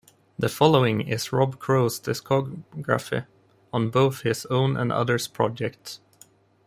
The following is Rob Crow's discography, on both his own and others' projects.